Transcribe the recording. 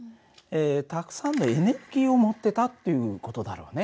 たくさんのエネルギーを持ってたっていう事だろうね。